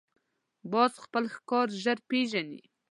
باز خپل ښکار ژر پېژني